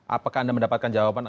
apakah anda mendapatkan jawaban